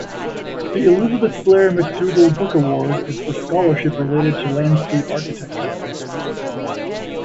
The "Elisabeth Blair MacDougall Book Award" is for scholarship related to landscape architecture.